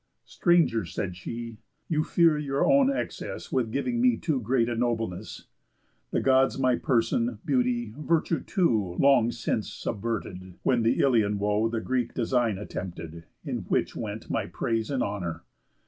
"Stranger," said she, "you fear your own excess With giving me too great a nobleness. The Gods my person, beauty, virtue too, Long since subverted, when the Ilion woe The Greek design attempted; in which went My praise and honour.